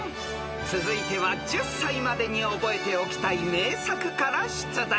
続いては１０才までに覚えておきたい名作から出題］